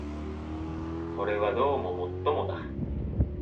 これはどうも尤もだ